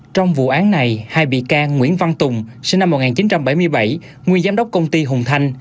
trong vụ án này hai bị can nguyễn văn tùng sinh năm một nghìn chín trăm bảy mươi bảy nguyên giám đốc công ty hùng thanh